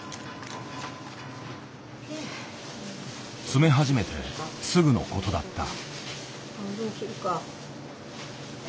詰め始めてすぐのことだった。